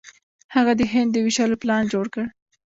هغه د هند د ویشلو پلان جوړ کړ.